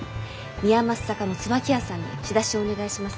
宮益坂の「椿屋」さんに仕出しお願いします。